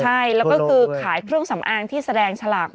ใช่แล้วก็คือขายเครื่องสำอางที่แสดงฉลาก